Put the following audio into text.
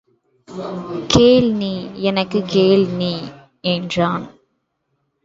கேள் நீ எனக்குக் கேள் நீ என்றான்.